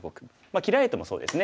切られてもそうですね。